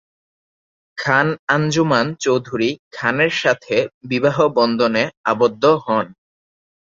খান আঞ্জুমান চৌধুরী খানের সাথে বিবাহবন্ধনে আবদ্ধ হন।